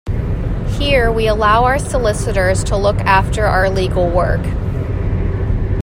Here we allow our solicitors to look after our legal work.